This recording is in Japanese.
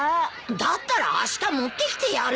だったらあした持ってきてやるよ。